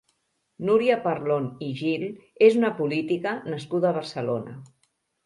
Núria Parlon i Gil és una política nascuda a Barcelona.